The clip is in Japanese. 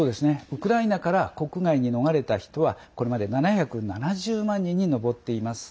ウクライナから国外に逃れた人はこれまで７７０万人に上っています。